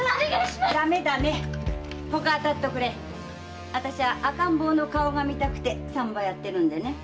〔あたしゃ赤ん坊の顔が見たくて産婆やってるんでね〕